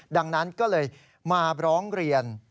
ดังนั้นก็เลยมาร้องเรียน